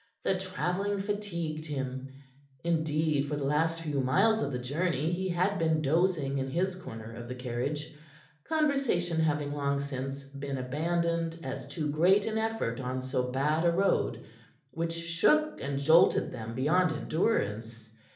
The travelling fatigued him; indeed, for the last few miles of the journey he had been dozing in his corner of the carriage, conversation having long since been abandoned as too great an effort on so bad a road, which shook and jolted them beyond endurance.